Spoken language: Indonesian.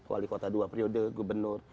wali kota dua periode gubernur